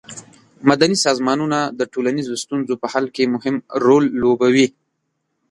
مدني سازمانونه د ټولنیزو ستونزو په حل کې مهم رول لوبوي.